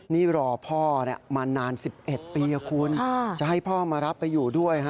นี่รอพ่อมานาน๑๑ปีคุณจะให้พ่อมารับไปอยู่ด้วย